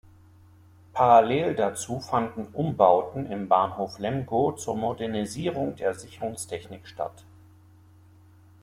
Parallel dazu fanden Umbauten im Bahnhof Lemgo zur Modernisierung der Sicherungstechnik statt.